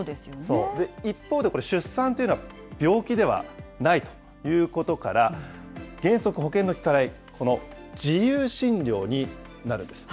一方で出産というのは、病気ではないということから、原則保険のきかないこの自由診療になるんです。